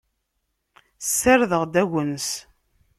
Ssardeɣ-d agnes.